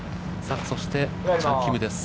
そしてチャン・キムです。